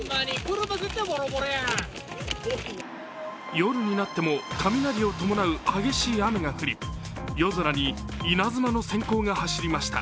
夜になっても雷を伴う激しい雨が降り、夜空に稲妻のせん光が走りました。